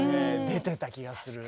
出てた気がする。